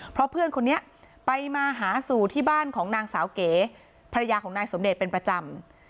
เพราะเพื่อนคนนี้ไปมาหาสู่ที่บ้านของนางสาวเก๋ภรรยาของนายสมเดชน์เป็นประจำ